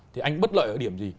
thì anh bất lợi ở điểm gì